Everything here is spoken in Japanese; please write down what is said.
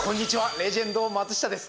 レジェンド松下です。